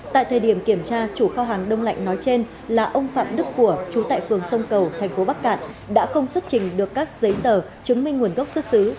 tại thời điểm kiểm tra chủ kho hàng đông lạnh nói trên là ông phạm đức của chú tại phường sông cầu thành phố bắc cạn đã không xuất trình được các giấy tờ chứng minh nguồn gốc xuất xứ